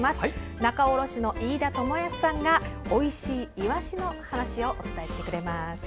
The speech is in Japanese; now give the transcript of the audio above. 仲卸の飯田知誉さんがおいしいイワシの話をお伝えしてくれます。